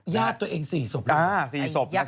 ญาติตนเอง๔ศพ